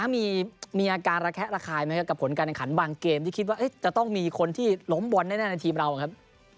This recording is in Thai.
มีอาการระแคะระคายไหมครับกับผลการแข่งขันบางเกมที่คิดว่าจะต้องมีคนที่ล้มบอลแน่ในทีมเราครับ